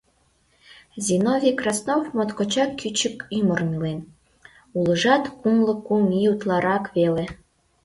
Зиновий Краснов моткочак кӱчык ӱмырым илен — улыжат кумло кум ий утларак веле.